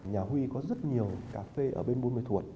nhà huy có rất nhiều cà phê ở bên buôn mê thuột